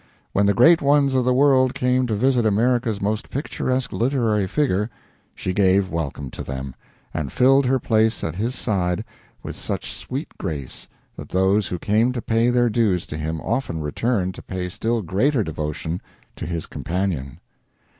When the great ones of the world came to visit America's most picturesque literary figure, she gave welcome to them, and filled her place at his side with such sweet grace that those who came to pay their dues to him often returned to pay still greater devotion to his companion.